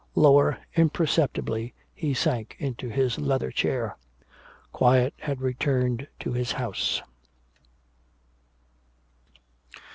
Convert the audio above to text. Lower, imperceptibly, he sank into his leather chair. Quiet had returned to his house.